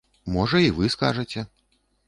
Можа, і вы скажаце.